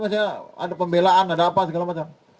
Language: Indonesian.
maksudnya ada pembelaan ada apa segala macam